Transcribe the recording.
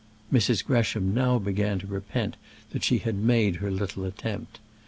Mrs. Gresham now began to repent that she had made her little attempt.